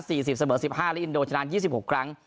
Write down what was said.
เสมอ๑๕และอินโดชนะ๒๖ครั้ง